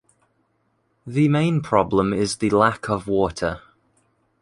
The main problem is the lack of water.